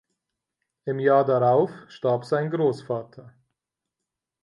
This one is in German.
Im Jahr darauf starb sein Großvater.